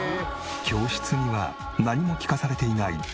教室には何も聞かされていない